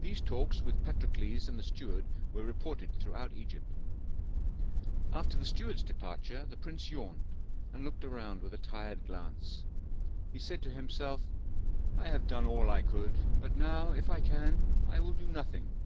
These talks with Patrokles and the steward were reported throughout Egypt. After the steward's departure, the prince yawned and looking around with a tired glance, he said to himself, "I have done all I could, but now, if I can, I will do nothing."